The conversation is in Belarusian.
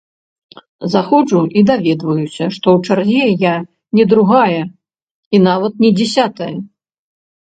Заходжу і даведваюся, што ў чарзе я не другая, і нават не дзясятая.